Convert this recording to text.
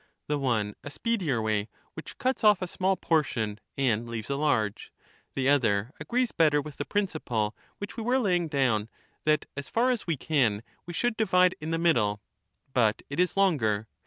Jf the one a speedier way, which cuts off a small portion and dther a leaves a large ; the other agrees better with the principle ^^^^ which we were laying down, that as far as we can we should way. divide in the middle ; but it is longer.